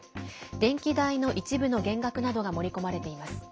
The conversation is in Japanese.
電気代の一部の減額などが盛り込まれています。